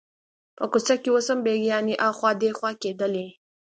په کوڅه کې اوس هم بګیانې اخوا دیخوا کېدلې.